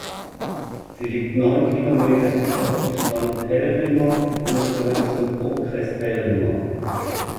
Sie liegt neun Kilometer südöstlich von Pelhřimov und gehört zum Okres Pelhřimov.